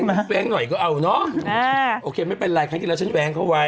ฮะแว้งหน่อยก็เอาเนอะโอเคไม่เป็นไรครั้งที่แล้วฉันแว้งเขาไว้